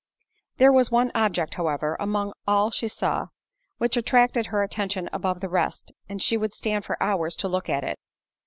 There was one object, however, among all she saw, which attracted her attention above the rest, and she would stand for hours to look at it.